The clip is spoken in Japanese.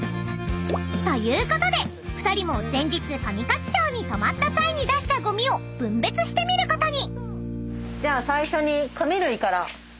［ということで２人も前日上勝町に泊まった際に出したゴミを分別してみることに］